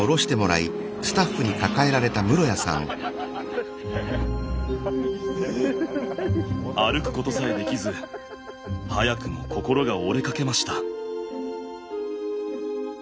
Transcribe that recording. ええっ⁉歩くことさえできず早くも心が折れかけました。